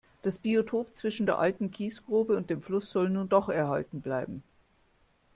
Das Biotop zwischen der alten Kiesgrube und dem Fluss soll nun doch erhalten bleiben.